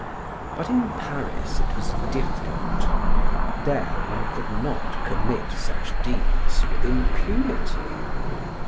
But in Paris it was different; there one could not commit such deeds with impunity.